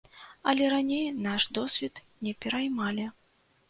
Але раней наш досвед не пераймалі.